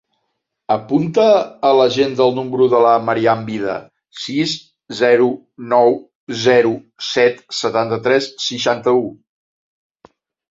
Apunta a l'agenda el número de la Maryam Vida: sis, zero, nou, zero, set, setanta-tres, seixanta-u.